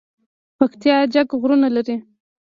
پکتیا جګ غرونه لري